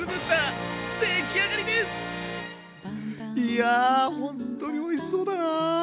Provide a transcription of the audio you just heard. いやほんとにおいしそうだな。